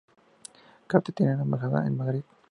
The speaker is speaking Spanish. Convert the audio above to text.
Catar tiene una embajada en Madrid.